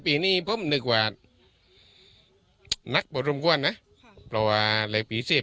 ปีปี